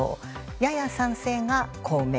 やや賛成が公明。